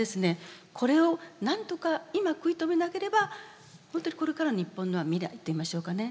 これを何とか今食い止めなければほんとにこれからの日本の未来といいましょうかね